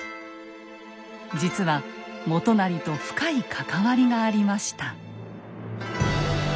実は元就と深い関わりがありました。